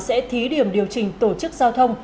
sẽ thí điểm điều chỉnh tổ chức giao thông